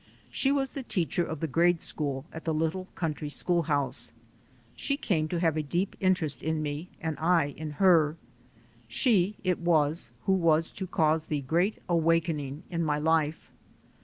She was the teacher of the grade school at the little country schoolhouse. She came to have a deep interest in me, and I in her. She it was who was to cause the great awakening in my life.